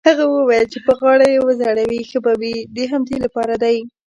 هغه وویل: چې په غاړه يې وځړوې ښه به وي، د همدې لپاره دی.